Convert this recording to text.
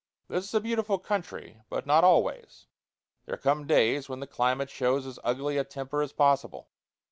This is a beautiful country, but not always; there come days when the climate shows as ugly a temper as possible.